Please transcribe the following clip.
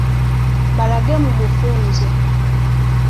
Balage mu bufunze.